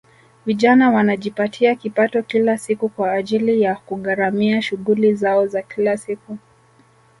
Vijana wanajipatia kipato kila siku kwa ajili ya kugharimia shughuli zao za kila siku